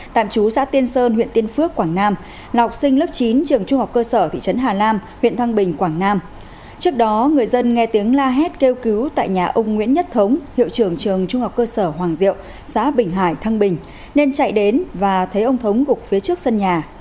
trước đó người dân nghe tiếng la hét kêu cứu tại nhà ông nguyễn nhất thống hiệu trưởng trường trung học cơ sở hoàng diệu xã bình hải thăng bình nên chạy đến và thấy ông thống gục phía trước sân nhà